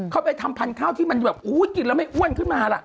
เขาไปทำพันธุ์ข้าวที่มันแบบกินแล้วไม่อ้วนขึ้นมาล่ะ